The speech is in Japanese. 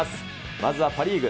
まずはパ・リーグ。